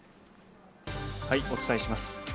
お伝えします。